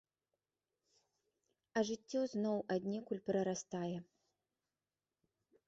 А жыццё зноў аднекуль прарастае.